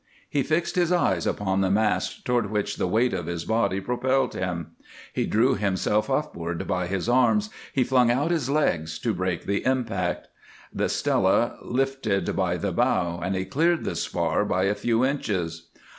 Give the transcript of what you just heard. He fixed his eyes upon the mast toward which the weight of his body propelled him, he drew himself upward by his arms, he flung out his legs to break the impact. The Stella lifted by the bow and he cleared the spar by a few inches.